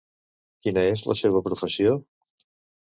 Quina és la seva professió?